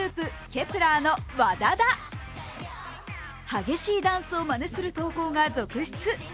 激しいダンスをまねする投稿が続出。